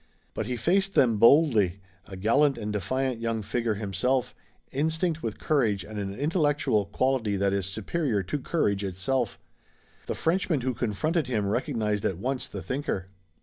But he faced them boldly, a gallant and defiant young figure himself, instinct with courage and an intellectual quality that is superior to courage itself. The Frenchman who confronted him recognized at once the thinker.